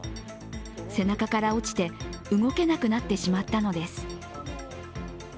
背中から落ちて動けなくなってしまったのです。